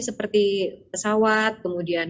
seperti pesawat kemudian